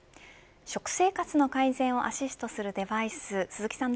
食生活の改善をアシストするデバイス鈴木さん